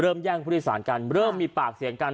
แย่งผู้โดยสารกันเริ่มมีปากเสียงกัน